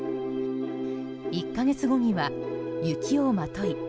１か月後には雪をまとい